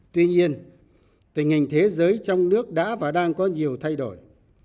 tuy nhiên tình hình thế giới trong nước đã và đang có nhiều thay đổi